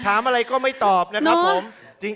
ถามอะไรก็ไม่ตอบนะครับผม